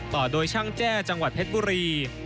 ต่อโดยช่างแจ้จังหวัดเพชรบุรี